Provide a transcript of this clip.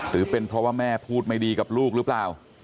หรือเป็นเพราะว่าแม่พูดไม่ดีกับลูกหรือเปล่า